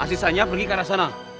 sisanya pergi ke arah sana